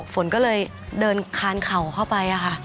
ฝนก็เลยเดินคานเข่าเข้าไปค่ะ